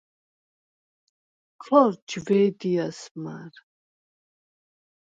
ქორ ჯვე̄დიას მა̄რ.